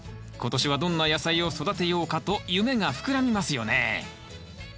今年はどんな野菜を育てようかと夢が膨らみますよね。